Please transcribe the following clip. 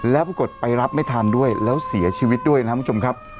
แล้วปรากฏไปรับไม่ทันด้วยแล้วเสียชีวิตด้วยนะครับคุณผู้ชมครับ